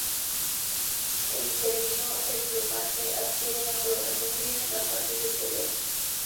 En invierno, el plumaje adquiere una coloración gris en la parte superior.